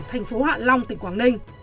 thành phố hạ long tỉnh quảng ninh